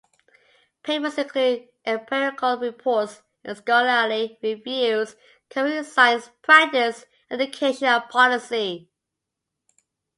Papers include empirical reports and scholarly reviews covering science, practice, education, and policy.